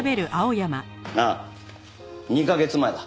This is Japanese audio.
ああ２カ月前だ。